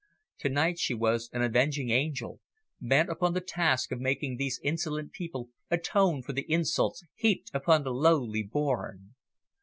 To night she was an avenging angel, bent upon the task of making these insolent people atone for the insults heaped upon the lowly born.